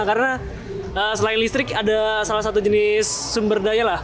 karena selain listrik ada salah satu jenis sumber daya lah